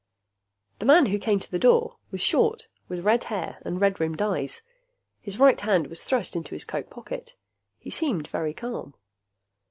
The man who came to the door was short, with red hair and red rimmed eyes. His right hand was thrust into his coat pocket. He seemed very calm.